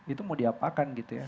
itu mau diapakan gitu ya